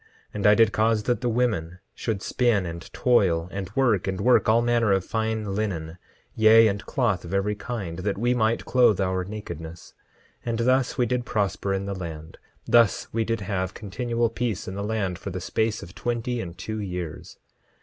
10:5 And I did cause that the women should spin, and toil, and work, and work all manner of fine linen, yea, and cloth of every kind, that we might clothe our nakedness; and thus we did prosper in the land—thus we did have continual peace in the land for the space of twenty and two years.